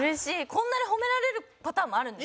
こんなに褒められるパターンもあるんですね。